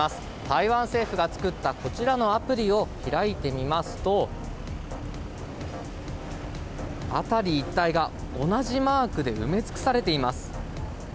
台湾政府が作ったこちらのアプリを開いて見ますと、辺り一帯が同じマークで埋め尽くされています。